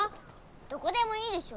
どこでもいいでしょ！